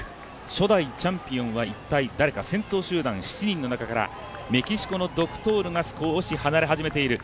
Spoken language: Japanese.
初代チャンピオンは一体誰か、先頭集団７人の中からメキシコのドクトールが少し離れ始めている。